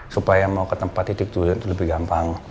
supaya mau ke tempat titik itu lebih gampang